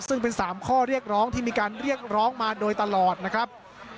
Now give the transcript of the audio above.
ซึ่งเป็น๓ข้อเรียกร้องที่มีการเรียกร้องมาโดยตลอดนะครับ